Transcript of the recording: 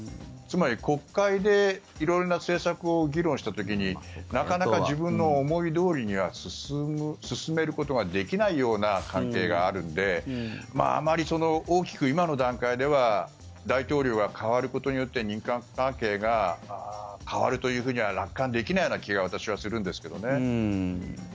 つまり国会で色々な政策を議論した時になかなか自分の思いどおりには進めることができないような関係があるのであまり大きく今の段階では大統領が代わることによって日韓関係が変わるとは楽観できない気が私はするんですけどね。